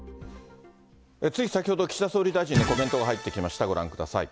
つい先ほど、岸田総理大臣のコメントが入ってきました。